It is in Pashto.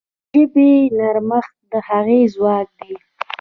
د ژبې نرمښت د هغې ځواک دی.